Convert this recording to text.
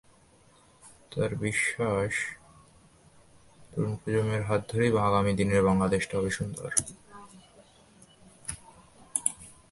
তার বিশ্বাস, তরুণ প্রজন্মের হাত ধরেই আগামী দিনের বাংলাদেশটা হবে সুন্দর।